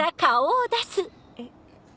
えっ。